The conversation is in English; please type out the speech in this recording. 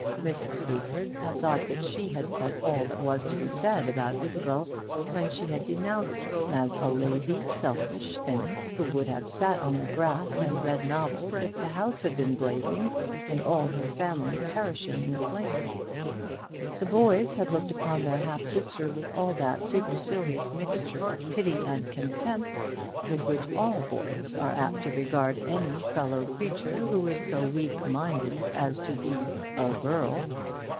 Mrs. Sleaford had thought that she had said all that was to be said about Isabel when she had denounced her as a lazy, selfish thing, who would have sat on the grass and read novels if the house had been blazing, and all her family perishing in the flames. The boys had looked upon their half sister with all that supercilious mixture of pity and contempt with which all boys are apt to regard any fellow creature who is so weak minded as to be a girl.